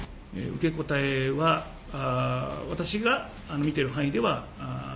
受け答えは私が見ている範囲